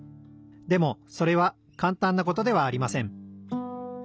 でもそれはかんたんなことではありません。